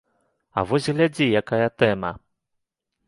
А вось глядзі, якая тэма!